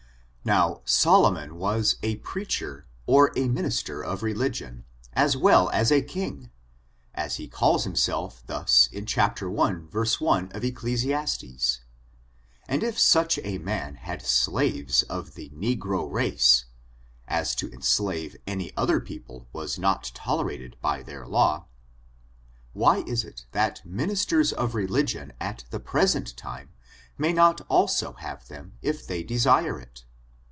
Now, Solomon was a preacher^ or a minister of religion, as well as a king, as he calls himself tkus in chap, i, verse 1, of Eccl., and if such a man had 148 OftlOIN) CHARACTER, AKD > slaves of the negro race (as to enslave any other peo* pie was not tolerated by their law), why is it that ministers of religicm at the present time may not also have them if they desire it?